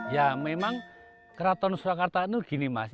ya memang keraton surakarta itu gini mas